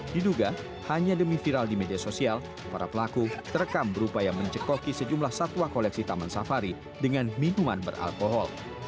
diduga hanya demi viral di media sosial para pelaku terekam berupaya mencekoki sejumlah satwa koleksi taman safari dengan minuman beralkohol